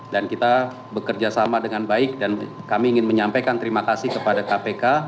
dan kita bekerja sama dengan baik dan kami ingin menyampaikan terimakasih kepada kpk